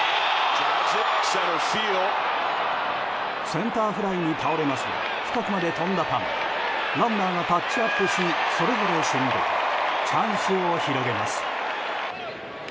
センターフライに倒れますが深くまで飛んだためランナーがタッチアップしそれぞれ進塁チャンスを広げます。